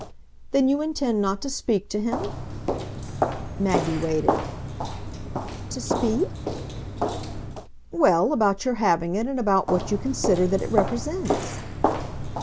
"Then you intend not to speak to him ?" Maggie waited. "To 'speak' ?" "Well, about your having it and about what you consider that it represents."